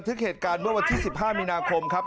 ก็ถึงเหตุการณ์ว่าวันที่๑๕มีนาคมครับ